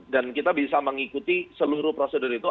dan kita bisa mengikuti seluruh prosedur itu